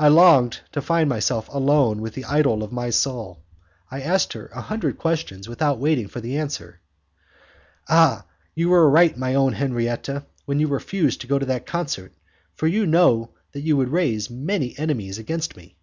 I longed to find myself alone with the idol of my soul. I asked her a hundred questions without waiting for the answers. "Ah! you were right, my own Henriette, when you refused to go to that concert, for you knew that you would raise many enemies against me.